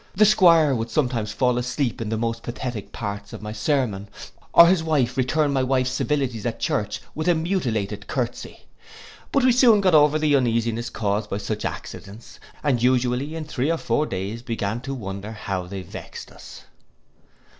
The 'Squire would sometimes fall asleep in the most pathetic parts of my sermon, or his lady return my wife's civilities at church with a mutilated curtesy. But we soon got over the uneasiness caused by such accidents, and usually in three or four days began to wonder how they vext us.